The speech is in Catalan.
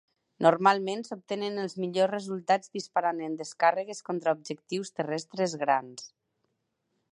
Normalment s"obtenen els millors resultats disparant en descàrregues contra objectius terrestres grans.